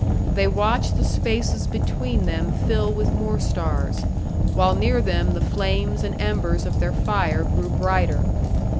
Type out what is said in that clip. They watched the spaces between them fill with more stars, while near them the flames and embers of their fire grew brighter.